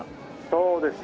そうですね。